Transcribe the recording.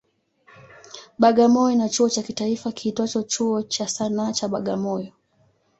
Bagamoyo ina chuo cha kitaifa kiitwacho Chuo cha Sanaa cha Bagamoyo.